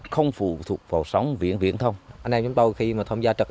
không phụ thuộc vào sống viễn viễn thông